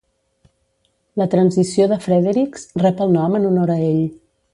La transició de Frederiks rep el nom en honor a ell.